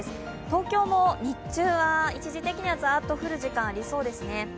東京も日中は一時的にはザッと降る時間がありそうですね。